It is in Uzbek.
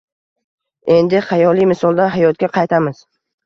Endi xayoliy misoldan hayotga qaytamiz.